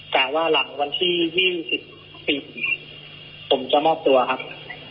แต่ว่าหลังวันที่ยี่สิบสี่ผมจะมอบตัวครับ